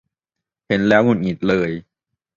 เห็นแล้วหงุดหงิดเลย